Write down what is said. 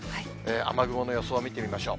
雨雲の様子を見てみましょう。